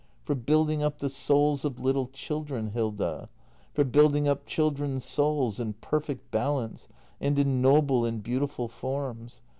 ] For building up the souls of little children, Hilda. For building up children's souls in perfect balance, and in noble and beautiful forms.